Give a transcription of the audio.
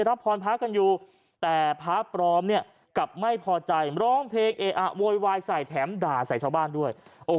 จะรับพรพากันอยู่แต่พระปอมกลับไม่พอใจร้องเพลงเอะโยงไยไส้แถมด่าใส่ชาวบ้านด้วย